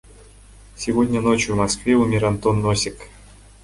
Сегодня ночью в Москве умер Антон Носик.